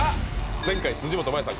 前回辻元舞さん